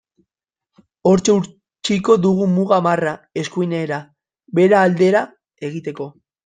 Hortxe utziko dugu muga marra, eskuinera, Bera aldera, egiteko.